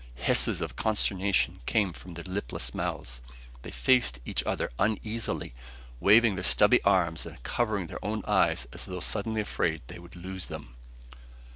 Hisses of consternation came from their lipless mouths. They faced each other uneasily, waving their stubby arms and covering their own eyes as though suddenly afraid they would lose them.